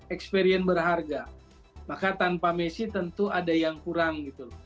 experience berharga maka tanpa messi tentu ada yang kurang gitu